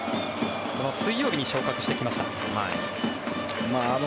水曜日に昇格してきました。